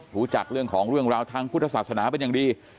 รู้จักเรื่องของเรื่องราวทางพุทธศาสนาเป็นอย่างดี